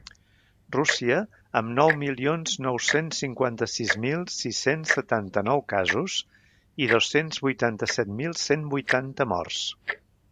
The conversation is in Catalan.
Rússia, amb nou milions nou-cents cinquanta-sis mil sis-cents setanta-nou casos i dos-cents vuitanta-set mil cent vuitanta morts.